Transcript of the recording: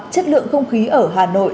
chất lượng không khí ở hà nội